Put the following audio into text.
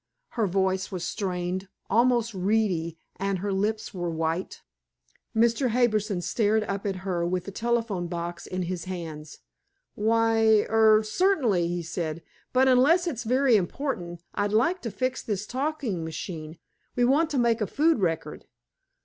Her voice was strained, almost reedy, and her lips were white. Mr. Harbison stared up at her, with the telephone box in his hands. "Why er certainly," he said, "but, unless it's very important, I'd like to fix this talking machine. We want to make a food record."